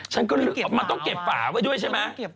ฉันก็เลยออกมาทั้งเก็บฝ่าไว้ใช่มั้ย